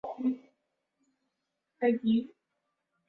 Wakati wa kuvaa buti za baiskeli za ngozi